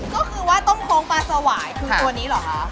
ก็คือว่าต้มโค้งปลาสวายคือตัวนี้เหรอคะ